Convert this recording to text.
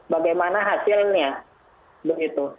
bagaimana hasilnya begitu